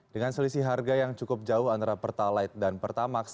dengan selisih harga yang cukup jauh antara pertalite dan pertamax